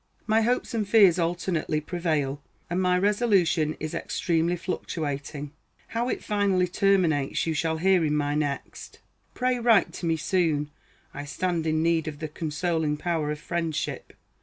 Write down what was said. My hopes and fears alternately prevail, and my resolution is extremely fluctuating. How it finally terminates you shall hear in my next. Pray write to me soon. I stand in need of the consoling power of friendship.